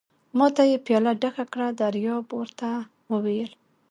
ما ته یې پياله ډکه کړه، دریاب ور ته وویل.